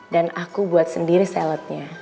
dan aku buat sendiri saladnya